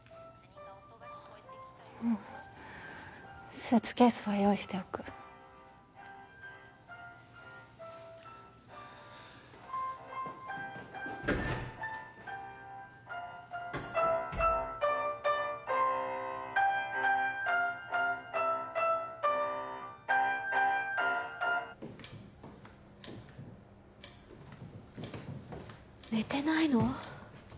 うんスーツケースは用意しておく寝てないの？